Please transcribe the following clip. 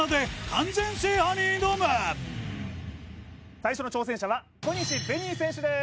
最初の挑戦者は小西紅偉選手です